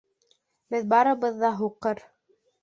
Беҙ барыбыҙ ҙа һуҡыр.